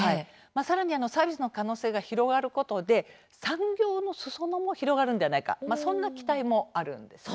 さらにサービスの可能性が広がることで産業のすそ野も広がるんではないかそんな期待もあるんですね。